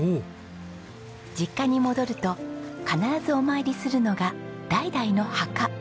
実家に戻ると必ずお参りするのが代々の墓。